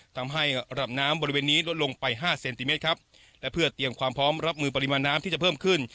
ทำให้ระดับน้ำบริเวณนี้ลดลงไปห้าเซนติเมตรครับและเพื่อเตรียมความพร้อมรับมือปริมาณน้ำที่จะเพิ่มขึ้น